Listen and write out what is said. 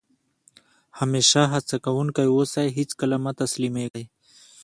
همېشه هڅه کوونکی اوسى؛ هېڅ کله مه تسلیمېږي!